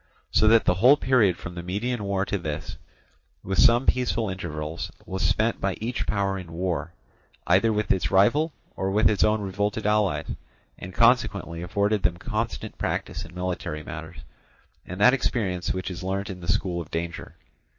So that the whole period from the Median war to this, with some peaceful intervals, was spent by each power in war, either with its rival, or with its own revolted allies, and consequently afforded them constant practice in military matters, and that experience which is learnt in the school of danger.